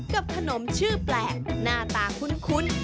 กับขนมชื่อแปลกหน้าตาคุ้น